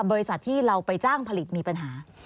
บริษัทที่เราไปจ้างผลิตมีปัญหา